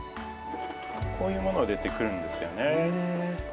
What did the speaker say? こういうものが出てくるんですよね。